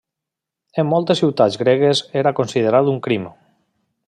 En moltes ciutats gregues era considerat un crim.